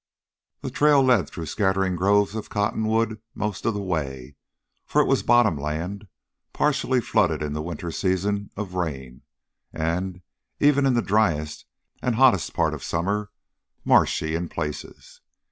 The trail led through scattering groves of cottonwood most of the way, for it was bottom land, partially flooded in the winter season of rain, and, even in the driest and hottest part of the summer, marshy in places.